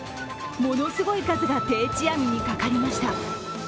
ものすごい数が定置網にかかりました。